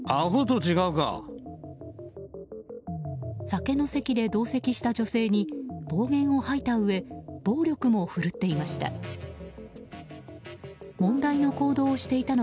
酒の席で同席した女性に暴言を吐いたうえ暴力も振るっていました。